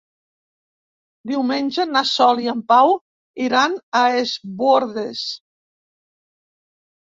Diumenge na Sol i en Pau iran a Es Bòrdes.